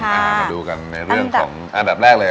มาดูกันในเรื่องของอันดับแรกเลย